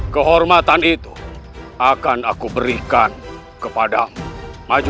kehormatan itu akan aku berikan kepadamu